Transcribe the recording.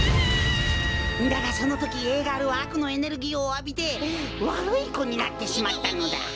だがそのときＡガールはあくのエネルギーをあびてわるいこになってしまったのだ。